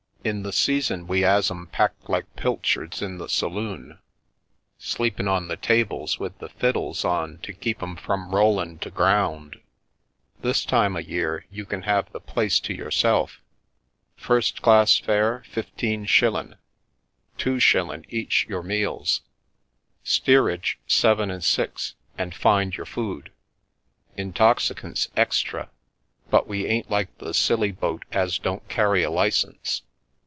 In the season we has 'em packed like pilchards in the saloon ; sleepin' on the tables with the fiddles on to keep 'em from rollin' to ground ! This time o' year you can have the place to yourself. First class fare fifteen shillin', two shillin' each your meals. Steerage, seven and six, and find your food. Intoxicants extra, but we ain't like the Scilly boat as don't carry a licence.